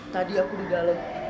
tadi aku digalek